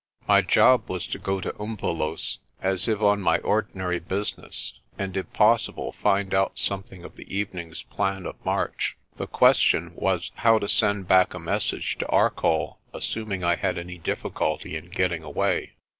My job was to go to Umvelos, as if on my ordinary busi 106 THE REV. JOHN LAPUTA 107 ness, and if possible find out something of the evening's plan of march. The question was how to send back a message to Arcoll, assuming I had any difficulty in getting away.